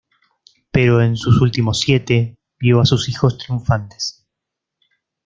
Pero en sus últimos siete, vio a sus hijos triunfantes.